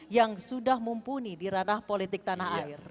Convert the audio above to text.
yang sudah mumpuni di ranah politik tanah air